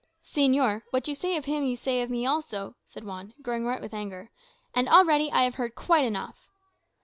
"Señor, what you say of him you say of me also," said Juan, glowing white with anger. "And already I have heard quite enough."